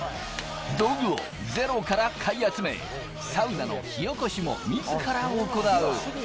道具をゼロから買い集め、サウナの火おこしも自ら行う。